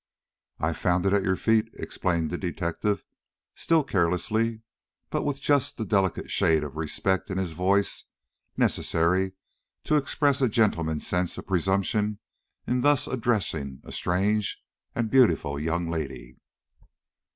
"I found it at your feet," explained the detective, still carelessly, but with just that delicate shade of respect in his voice necessary to express a gentleman's sense of presumption in thus addressing a strange and beautiful young lady.